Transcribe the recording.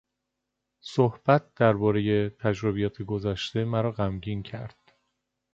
صحبت دربارهی تجربیات گذشته مرا غمگین کرد.